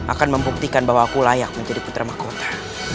akan membuktikan bahwa aku layak menjadi putra mahkota